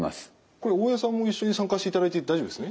これ大江さんも一緒に参加していただいて大丈夫ですね？